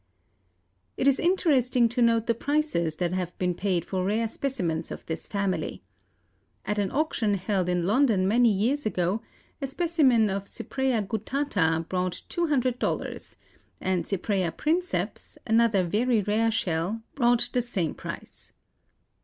It is interesting to note the prices that have been paid for rare specimens of this family. At an auction held in London many years ago a specimen of Cypraea guttata brought two hundred dollars, and Cypraea princeps, another very rare shell, brought the same price.